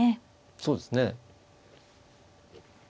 そうですね。